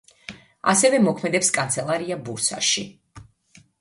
ასევე მოქმედებს კანცელარია ბურსაში.